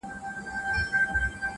یار اوسېږمه په ښار نا پرسان کي,